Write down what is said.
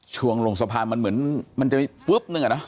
ลงสะพานมันเหมือนมันจะมีฟึ๊บนึงอะเนาะ